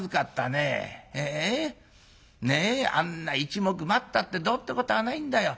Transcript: あんな一目待ったってどうってことはないんだよ。